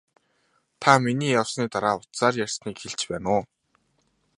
Та миний явсны дараа утсаар ярьсныг хэлж байна уу?